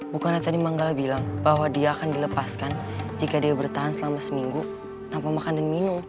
bukanlah tadi manggala bilang bahwa dia akan dilepaskan jika dia bertahan selama seminggu tanpa makan dan minum